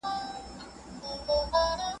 چي د دې به څه حکمت، څه فلسفه وي